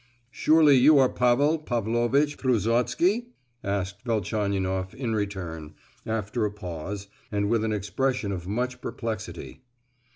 "Surely you are Pavel Pavlovitch Trusotsky?" asked Velchaninoff, in return, after a pause, and with an expression of much perplexity.